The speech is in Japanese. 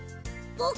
僕？